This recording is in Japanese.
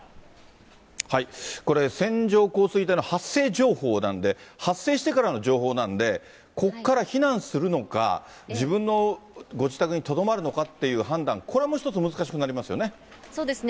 線状降水帯の発生情報なんで、発生してからの情報なんで、ここから避難するのか、自分のご自宅にとどまるのかっていう判断、そうですね。